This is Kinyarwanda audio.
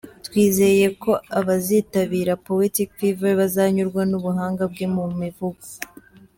Twizeye ko abazitabira Poetic Fever bazanyurwa n’ubuhanga bwe mu mivugo.